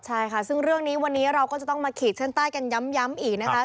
ใช่ค่ะซึ่งเรื่องนี้วันนี้เราก็จะต้องมาขีดเส้นใต้กันย้ำอีกนะคะ